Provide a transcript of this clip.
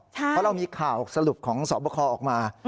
เพราะเรามีข่าวสรุปของสอบคอออกมา